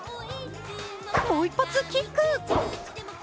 もう一発キック。